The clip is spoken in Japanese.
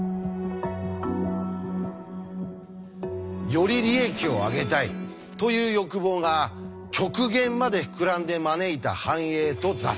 より利益をあげたいという欲望が極限まで膨らんで招いた繁栄と挫折。